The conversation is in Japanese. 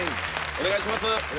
お願いします。